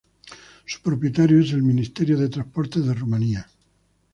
Su propietario es el Ministerio de Transportes de Rumanía.